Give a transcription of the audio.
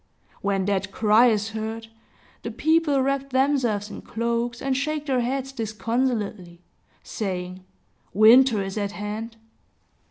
When that cry is heard, the people wrap themselves in cloaks, and shake their heads disconsolately, saying, "Winter is at hand!"